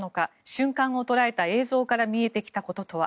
瞬間を捉えた映像から見えてきたこととは。